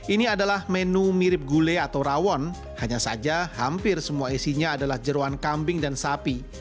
ini adalah menu mirip gulai atau rawon hanya saja hampir semua isinya adalah jeruan kambing dan sapi